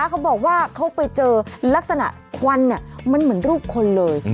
เขาบอกว่าเขาไปเจอลักษณะควันมันเหมือนรูปคนเลย